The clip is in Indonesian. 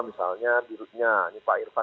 misalnya dirutnya pak irfan